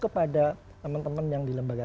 kepada teman teman yang di lembaga